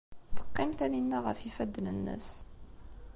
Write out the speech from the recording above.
Teqqim Taninna ɣef yifadden-nnes.